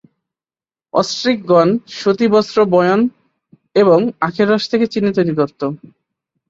অস্ট্রিকগণ সুতি বস্ত্র বয়ন এবং আখের রস থেকে চিনি তৈরি করত।